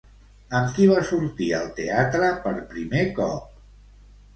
Amb qui va sortir al teatre per primer cop?